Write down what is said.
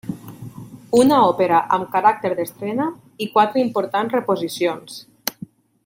Una òpera amb caràcter d'estrena i quatre importants reposicions.